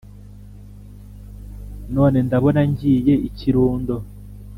None ndabona ngiye i kirundo